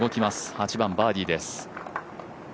８番バーディーです。